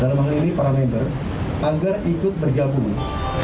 dan mengelirik para member agar ikut berjabung